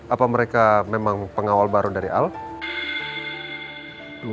apa mereka memang pengawal baru dari al